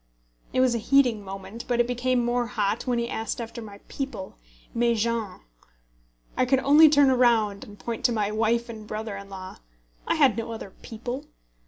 It was a heating moment, but it became more hot when he asked me after my people, "mes gens." I could only turn round, and point to my wife and brother in law. I had no other "people."